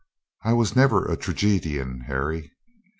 I was never a tragedian, Harry."